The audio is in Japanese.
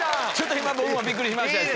今僕もびっくりしました。